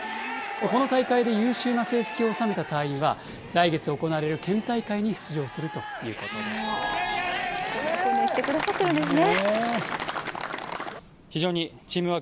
この大会で優秀な成績を収めた隊員は、来月行われる県大会に出場訓練してくださってるんですね。